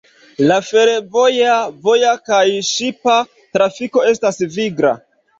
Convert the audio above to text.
La fervoja, voja kaj ŝipa trafiko estas vigla.